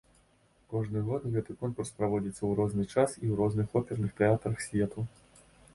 Кожны год гэты конкурс праводзіцца ў розны час і ў розных оперных тэатрах свету.